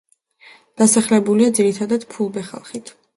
დასახლებულია ძირითადად ფულბე ხალხით.